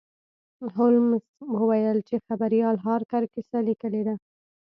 هولمز وویل چې خبریال هارکر کیسه لیکلې ده.